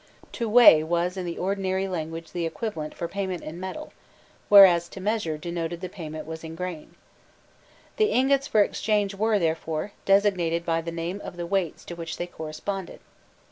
"To weigh" was in the ordinary language the equivalent for "payment in metal," whereas "to measure" denoted that the payment was in grain. The ingots for exchange were, therefore, designated by the name of the weights to which they corresponded.